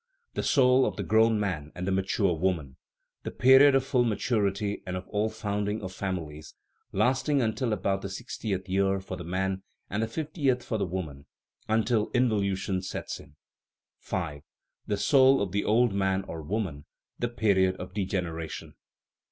The soul of the grown man and the mature woman (the period of full maturity and of the found ing of families, lasting until about the sixtieth year for the man and the fiftieth for the woman until in volution sets in). V. The soul of the old man or woman (the period of degeneration).